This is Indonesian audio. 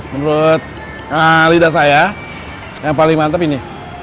menurut lidah saya yang paling mantep ini